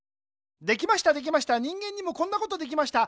できましたできました人間にもこんなことできました。